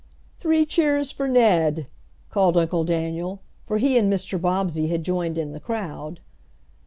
"Three cheers for Ned!" called Uncle Daniel, for he and Mr. Bobbsey had joined in the crowd.